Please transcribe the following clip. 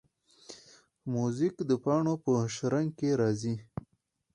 موزیک د پاڼو په شرنګ کې راځي.